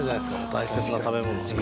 大切な食べ物を。